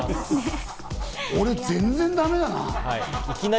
俺、全然だめだな。